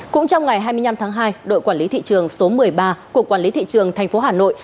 cũng trong ngày hai mươi năm tháng hai đội quản lý thị trường số một mươi ba cục quản lý thị trường tp hà nội